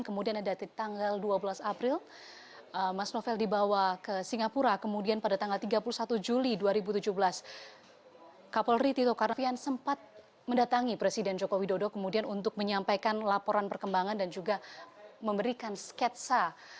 kemudian ada tanggal dua belas april mas novel dibawa ke singapura kemudian pada tanggal tiga puluh satu juli dua ribu tujuh belas kapolri tito karnavian sempat mendatangi presiden joko widodo kemudian untuk menyampaikan laporan perkembangan dan juga memberikan sketsa